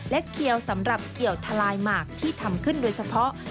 เขียวสำหรับเกี่ยวทะลายหมากที่ทำขึ้นโดยเฉพาะ